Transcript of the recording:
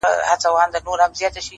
هره ورځ د اغېز نوې صحنه ده